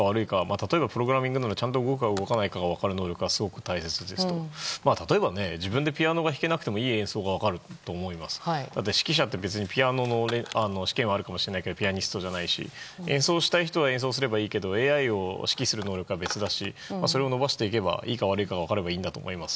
例えばプログラミングならちゃんと動くかどうかがわかる能力が大切で自分でピアノが弾けなくてもいい演奏はわかると思うので指揮者って別に、ピアノの試験はあるかもしれないけどピアニストじゃないし演奏したい人が演奏すればいいけど、ＡＩを指揮する能力は別だしそれを伸ばすのがいいか悪いかが分かればいいと思います。